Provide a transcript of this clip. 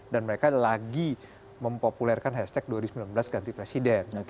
dan mereka lagi mempopulerkan hashtag dua ribu sembilan belas ganti presiden